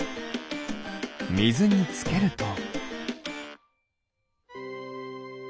みずにつけると。